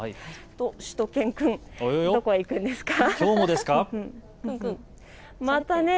しゅと犬くん、どこへ行くんですか。